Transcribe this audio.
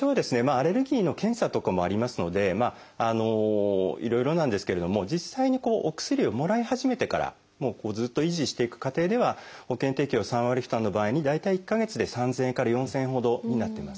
アレルギーの検査とかもありますのでいろいろなんですけれども実際にお薬をもらい始めてからずっと維持していく過程では保険適用３割負担の場合に大体１か月で３，０００円から４，０００円ほどになってます。